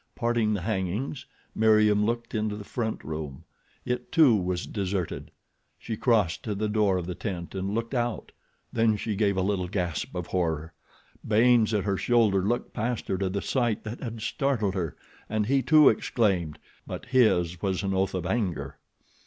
Parting the hangings Meriem looked into the front room. It, too, was deserted. She crossed to the door of the tent and looked out. Then she gave a little gasp of horror. Baynes at her shoulder looked past her to the sight that had startled her, and he, too, exclaimed; but his was an oath of anger.